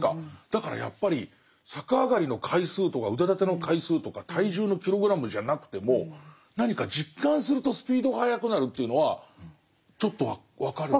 だからやっぱり逆上がりの回数とか腕立ての回数とか体重のキログラムじゃなくても何か実感するとスピードが速くなるというのはちょっと分かる。